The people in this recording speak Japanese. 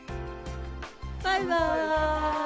バイバイ。